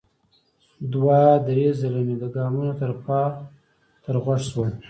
دوه ـ درې ځلې مې د ګامونو ترپا تر غوږ شوه.